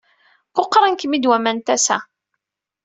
Quqṛen-kem-id waman n tasa.